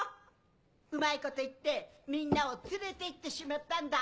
うまいこと言ってみんなを連れて行ってしまったんだ！